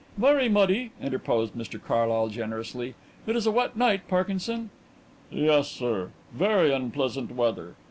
"Very muddy," interposed Mr Carlyle generously. "It is a wet night, Parkinson." "Yes, sir; very unpleasant weather.